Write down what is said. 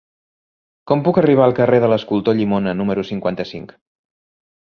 Com puc arribar al carrer de l'Escultor Llimona número cinquanta-cinc?